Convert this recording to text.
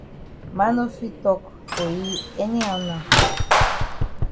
Man no fit tok for yi any how now.